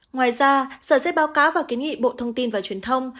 ngoài ra sở sẽ báo cáo và kiến nghị bộ thông tin và truyền thông